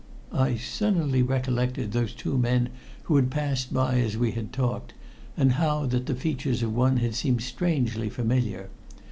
I suddenly recollected those two men who had passed by as we had talked, and how that the features of one had seemed strangely familiar.